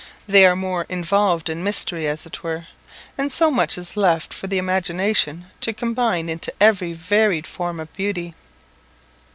They are more involved in mystery, as it were; and so much is left for the imagination to combine into every varied form of beauty.